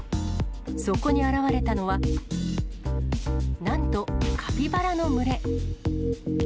そこに現れたのは、なんと、カピバラの群れ。